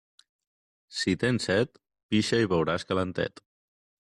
Si tens set, pixa i beuràs calentet.